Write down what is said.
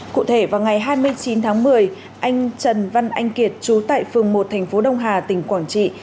cụ thể vào ngày hai mươi chín tháng một mươi anh trần văn anh kiệt trú tại phường một thành phố đông hà tỉnh quảng trị